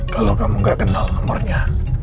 kalau kamu gak kenal nomornya